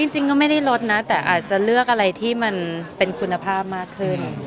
จริงก็ไม่ได้ลดนะแต่อาจจะเลือกอะไรที่มันเป็นคุณภาพมากขึ้น